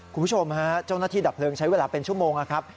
คุณผู้ชมฮะเจ้าหน้าที่ดับเพลิงใช้เวลาเป็นชั่วโมงนะครับ